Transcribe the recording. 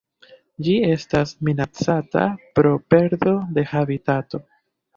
Ĝi estas minacata pro perdo de habitato.